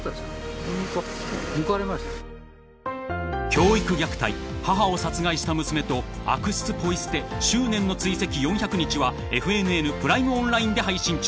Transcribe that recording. ［教育虐待母を殺害した娘と悪質ポイ捨て執念の追跡４００日はＦＮＮプライムオンラインで配信中］